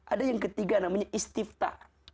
ada yang ketiga namanya istifta